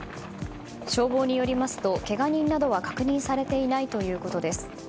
消防によりますと、けが人などは確認されていないということです。